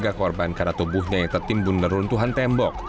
keluarga korban karena tubuhnya yang tertimbun neruntuhan tembok